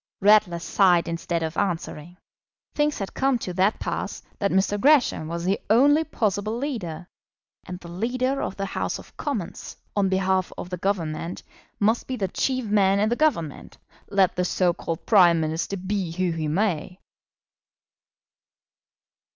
Ratler sighed instead of answering. Things had come to that pass that Mr. Gresham was the only possible leader. And the leader of the House of Commons, on behalf of the Government, must be the chief man in the Government, let the so called Prime Minister be who he may.